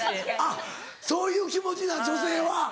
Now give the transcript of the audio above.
あっそういう気持ちなん女性は。